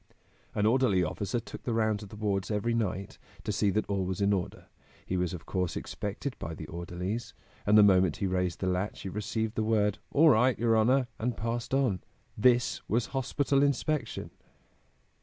"An orderly officer took the rounds of the wards every night, to see that all was in order. He was of course expected by the orderlies, and the moment he raised the latch he received the word: 'All right, your honor!' and passed on. This was hospital inspection!"